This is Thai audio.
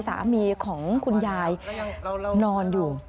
สามีของคุณยายนอนอยู่